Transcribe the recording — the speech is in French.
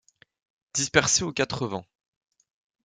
Dispersés aux quatre vents.